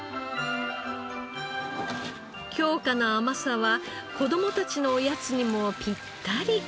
京香の甘さは子供たちのおやつにもピッタリ。